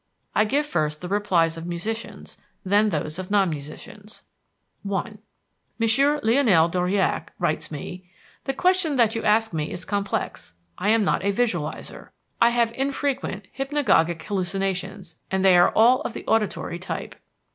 I give first the replies of musicians; then, those of non musicians. 1. M. Lionel Dauriac writes me: "The question that you ask me is complex. I am not a 'visualizer;' I have infrequent hypnagogic hallucinations, and they are all of the auditory type.